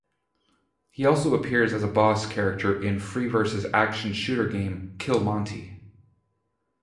He also appears as a boss character in Freeverse's action shooter game "Kill Monty".